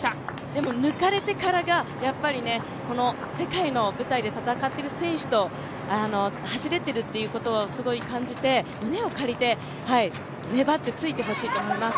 でも抜かれてからが世界の舞台で戦っている選手と走れているということをすごい感じて、胸を借りて、粘ってついてほしいと思います。